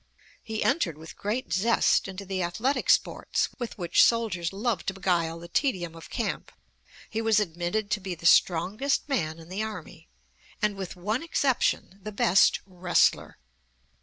He entered with great zest into the athletic sports with which soldiers love to beguile the tedium of camp. He was admitted to be the strongest man in the army, and, with one exception, the best wrestler.